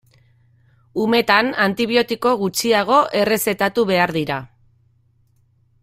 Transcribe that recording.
Umetan antibiotiko gutxiago errezetatu behar dira.